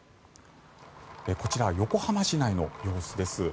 こちらは横浜市内の様子です。